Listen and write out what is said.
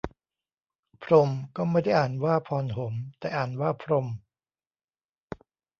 พรหม ก็ไม่ได้อ่านว่าพอน หม แต่อ่านว่าพรม